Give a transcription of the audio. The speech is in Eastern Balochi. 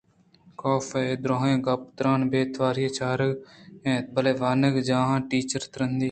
کاف اے دُرٛاہیں گپ ءُترٛانءَ بے تواری ءَ چارگءَ اَت بلئے وانگجاہ ءِ ٹیچر ءِ ترٛندی